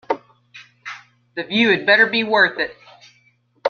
The view had better be worth it.